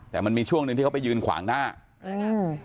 แต่มันมีช่วงหนึ่งที่เขาไปยืนขวางหน้าอืม